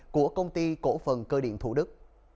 của công ty cổ phần cơ điện thủ đức